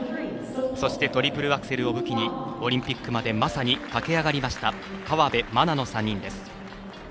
そしてトリプルアクセルを武器にオリンピックまで駆け上がった河辺愛菜の３人です。